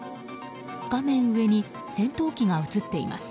画面上に戦闘機が映っています。